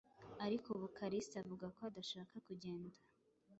Ariko ubu Kalisa avuga ko adashaka kugenda.